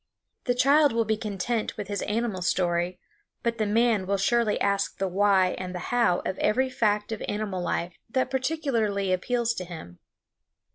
The child will be content with his animal story, but the man will surely ask the why and the how of every fact of animal life that particularly appeals to him.